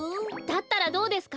だったらどうですか？